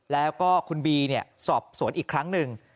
แล้วก็คุณบีสอบสวนอีกครั้งหนึ่ง